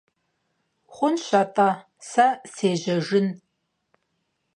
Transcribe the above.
Хъунщ атӏэ, сэ сежьэжын.